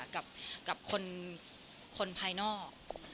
กับคนภายนอก